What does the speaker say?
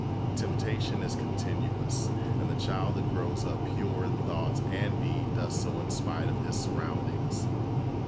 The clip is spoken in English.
Temptation is continuous, and the child that grows up pure in thought and deed does so in spite of his surroundings.